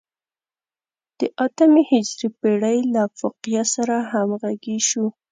د اتمې هجري پېړۍ له فقیه سره همغږي شو.